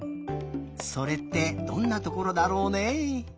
それってどんなところだろうね？